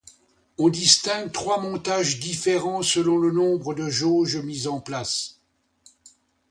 On distingue trois montages différents selon le nombre de jauges mis en place.